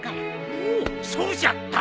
おおそうじゃった。